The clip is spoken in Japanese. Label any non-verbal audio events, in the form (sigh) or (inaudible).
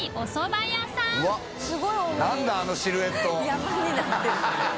山になってる (laughs)